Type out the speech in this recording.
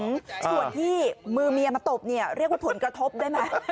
ส่วนที่มือเมียมาตบเนี่ยเรียกว่าผลกระทบได้ไหม